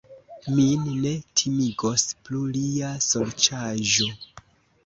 Min ne timigos plu lia sorĉaĵo!